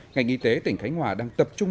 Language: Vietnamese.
ngành y tế tỉnh khánh hòa đang tập trung